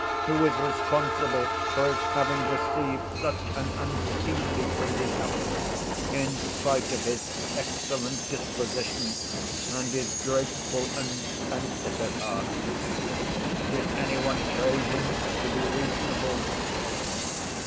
Who is responsible for his having received such an unseemly bringing up, in spite of his excellent disposition and his grateful and sensitive heart? Did any one train him to be reasonable?